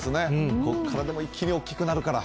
ここからでも一気に大きくなるから。